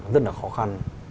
rất là khó khăn